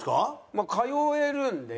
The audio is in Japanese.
まあ通えるんで。